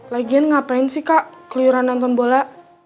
lagian ngapain sih kak keliuran nonton bola